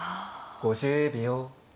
５０秒。